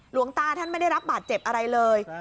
หลวงตาท่านไม่ได้รับบาดเจ็บอะไรเลย